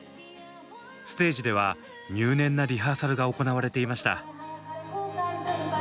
ステージでは入念なリハーサルが行われていました。